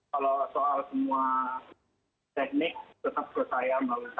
kalau soal semua teknik tetap percaya melalui saya